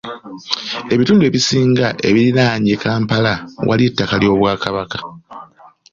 Ebitundu ebisinga ebirinaanye Kampala waliyo ettaka ly'Obwakabaka.